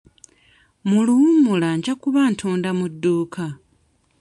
Mu luwummula nja kuba ntunda mu dduuka.